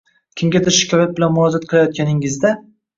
Kimgadir shikoyat bilan murojaat qilayotganingizda